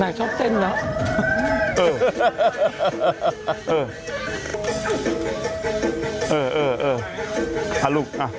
นางชอบเต้นนะ